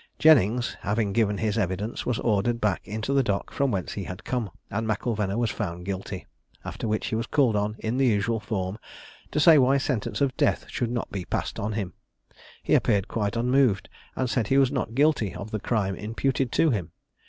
Jennings, having given his evidence, was ordered back into the dock from whence he had come, and M'Ilvena was found guilty; after which he was called on, in the usual form, to say why sentence of death should not be passed on him. He appeared quite unmoved, and said he was not guilty of the crime imputed to him.